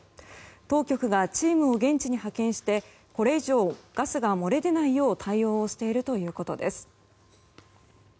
当局がチームを現地に派遣してこれ以上ガスが漏れ出ないよう対応しているということです。